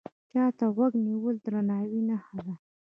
چا ته غوږ نیول د درناوي نښه ده